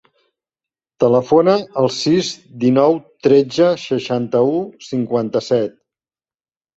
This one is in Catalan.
Telefona al sis, dinou, tretze, seixanta-u, cinquanta-set.